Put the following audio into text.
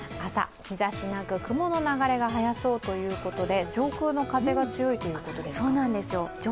朝、日ざしなく雲の流れが早そうということで、上空の風が強いということですか？